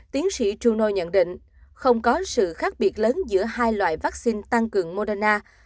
tiến sĩ truno nhận định không có sự khác biệt lớn giữa hai loại vaccine tăng cường moderna